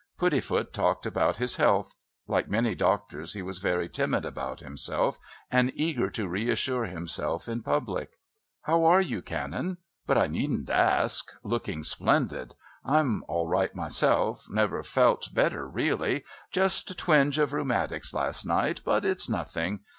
Puddifoot talked about his health; like many doctors he was very timid about himself and eager to reassure himself in public. "How are you, Canon? But I needn't ask looking splendid. I'm all right myself never felt better really. Just a twinge of rheumatics last night, but it's nothing.